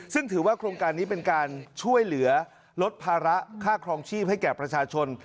ซึ่งถือว่าโครงการนี้เป็นการช่วยเหลือลดภาระค่าครองชีพให้แก่ประชาชน